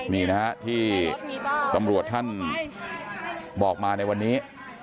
นี่นะฮะที่ตำรวจท่านบอกมาในวันนี้